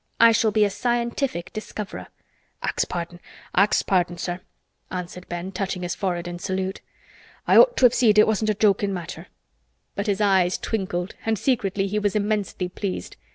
I shall be a Scientific Discoverer." "Ax pardon—ax pardon, sir" answered Ben, touching his forehead in salute. "I ought to have seed it wasn't a jokin' matter," but his eyes twinkled and secretly he was immensely pleased.